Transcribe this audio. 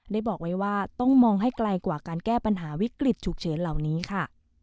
บอกไว้ว่าต้องมองให้ไกลกว่าการแก้ปัญหาวิกฤตฉุกเฉินเหล่านี้ค่ะ